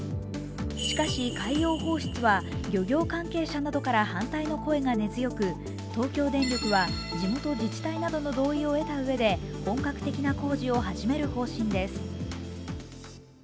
しかし、海洋放出は漁業関係者などから反対の声が根強く東京電力は地元自治体などの同意を得たうえで本格的な工事を始める方針です。